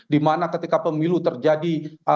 dimana ketika pemilu terjadi